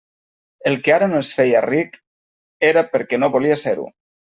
El que ara no es feia ric era perquè no volia ser-ho.